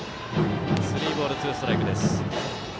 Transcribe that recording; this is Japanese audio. スリーボール、ツーストライク。